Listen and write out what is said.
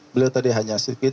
beliau tadi hanya sedikit